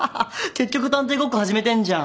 結局探偵ごっこ始めてんじゃん。